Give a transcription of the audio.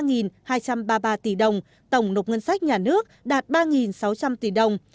tổng doanh thu của tập đoàn đạt một trăm ba mươi ba hai trăm ba mươi ba tỷ đồng tổng nộp ngân sách nhà nước đạt ba sáu trăm linh tỷ đồng